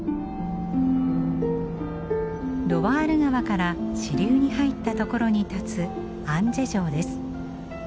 ロワール川から支流に入った所に立つアンジェ城です。